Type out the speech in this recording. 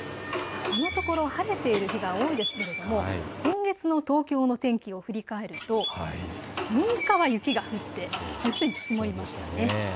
このところ晴れている日が多いですけれども今月の東京の天気を振り返ると６日は雪が降って１０センチ積もりましたよね。